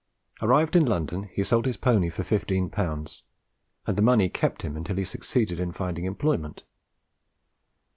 Arrived in London, he sold his pony for fifteen pounds, and the money kept him until he succeeded in finding employment.